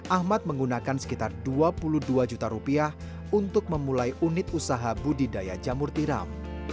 ahmad menggunakan sekitar dua puluh dua juta rupiah untuk memulai unit usaha budidaya jamur tiram